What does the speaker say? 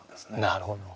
なるほど。